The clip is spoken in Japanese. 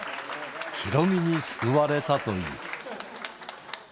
ヒロミに救われたという。